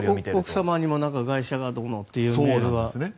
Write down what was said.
奥様にも外車がどうのっていうメールが。